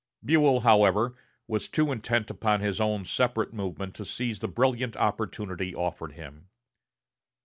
Buell, however, was too intent upon his own separate movement to seize the brilliant opportunity offered him.